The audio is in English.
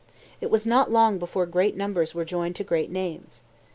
It was not long before great numbers were joined to great names.